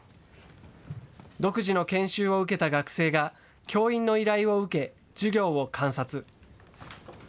独自の研修を受けた学生が教員の依頼を受け、授業を観察。